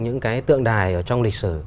những cái tượng đài ở trong lịch sử